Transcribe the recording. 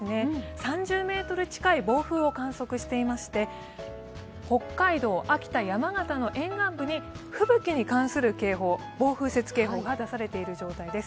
３０メートル近い暴風を観測していまして、北海道、秋田、山形の沿岸部で吹雪に関する警報、暴風雪警報が出されている状態です。